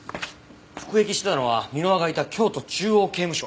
服役してたのは箕輪がいた京都中央刑務所。